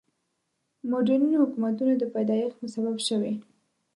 مډرنو حکومتونو د پیدایښت سبب شوي.